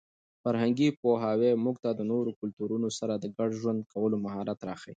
فرهنګي پوهاوی موږ ته د نورو کلتورونو سره د ګډ ژوند کولو مهارت راښيي.